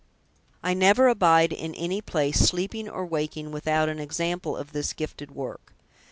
I never abide in any place, sleeping or waking, without an example of this gifted work.